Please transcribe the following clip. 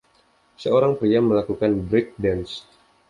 seorang pria melakukan break dance.